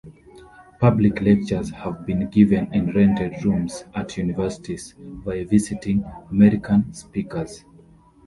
Public lectures have been given in rented rooms at universities, by visiting American speakers.